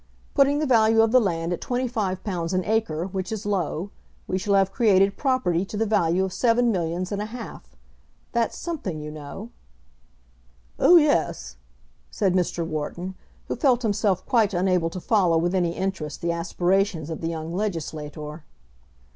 Putting the value of the land at £25 an acre, which is low, we shall have created property to the value of seven millions and a half. That's something, you know." "Oh, yes," said Mr. Wharton, who felt himself quite unable to follow with any interest the aspirations of the young legislator.